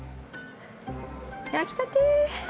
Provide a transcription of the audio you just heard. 焼きたて！